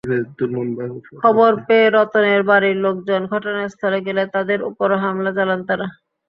খবর পেয়ে রতনের বাড়ির লোকজন ঘটনাস্থলে গেলে তাঁদের ওপরও হামলা চালান তাঁরা।